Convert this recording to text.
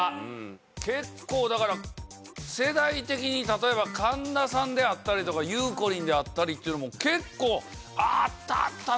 結構だから世代的に例えば神田さんであったりとかゆうこりんであったりっていうのも結構「あったあった！